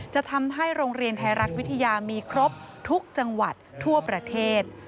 จะทำให้โรงเรียนไทยรัฐวิทยามีครบทุกจังหวัดทั่วประเทศ